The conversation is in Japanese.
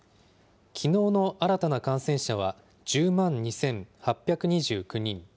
きのうの新たな感染者は１０万２８２９人。